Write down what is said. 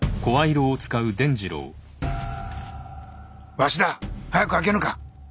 わしだ早く開けぬか。